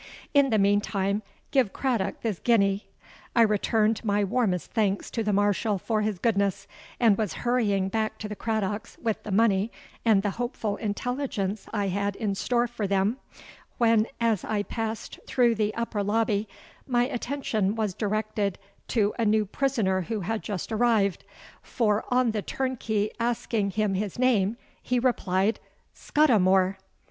In the meantime give Craddock this guinea.'—I returned my warmest thanks to the Marshal for his goodness, and was hurrying back to the Craddocks with the money and the hopeful intelligence I had in store for them, when, as I passed through the upper lobby, my attention was directed to a new prisoner who had just arrived; for on the turnkey asking him his name, he replied—SCUDIMORE!